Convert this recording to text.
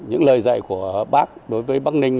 những lời dạy của bác đối với bắc ninh